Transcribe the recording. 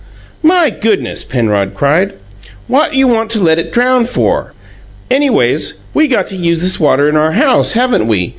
"My goodness," Penrod cried. "What you want to let it drown for? Anyways, we got to use this water in our house, haven't we?